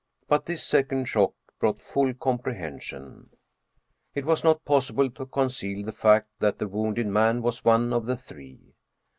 But this second shock brought full comprehension. It was not possible to conceal the fact that the wounded man was one of the Three.